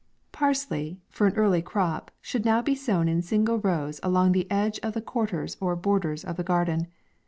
PARSLEY, for an early crop, should now be sown in sin gle rows, along the edge of the quarters, or borders of the garden.